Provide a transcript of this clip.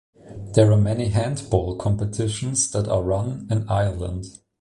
There are many handball competitions that are run in Ireland.